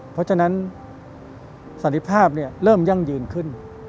เพราะฉะนั้นสันติภาพเริ่มยั่งยืนขึ้น